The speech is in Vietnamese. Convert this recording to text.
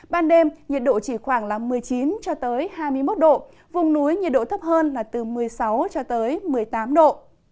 ban đêm nhiệt độ chỉ khoảng một mươi chín hai mươi một độ vùng núi nhiệt độ thấp hơn là từ một mươi sáu một mươi tám độ